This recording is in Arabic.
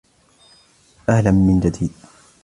أهلا من جديد.